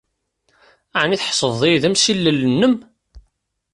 Ɛni tḥesbed-iyi d amsillel-nnem?